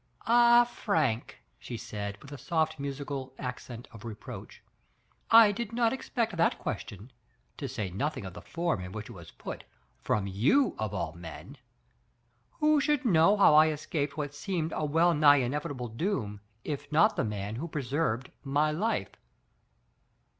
Ah, Frank!" she said, with a soft musical accent of reproach, "I did not expect that ques tion (to say nothing of the form in which it was put) from you of all men. Who should know how I escaped what seemed a well nigh inevitable doom, if not the man who preserved my life?"